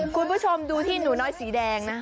คุณผู้ชมดูที่หนูน้อยสีแดงนะ